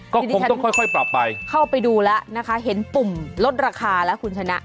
ก็คงต้องค่อยปรับไปเข้าไปดูแล้วนะคะเห็นปุ่มลดราคาแล้วคุณชนะ